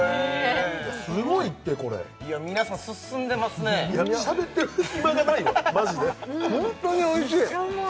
すごいってこれ皆さん進んでますねいやしゃべってる暇がないわマジで本当においしいめっちゃうまい！